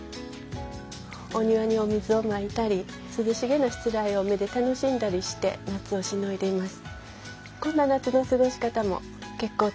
お庭にお水をまいたりすずしげなしつらえを目で楽しんだりして夏をしのいでいます。